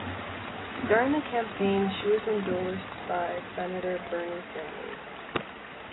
During the campaign she was endorsed by Senator Bernie Sanders.